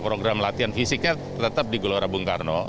program latihan fisiknya tetap di gelora bungkarno